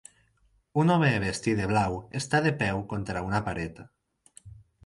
Un home vestit de blau està de peu contra una paret.